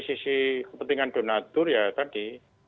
sisi kepentingan donatur ya tadi